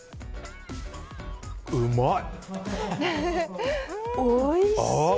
うまい。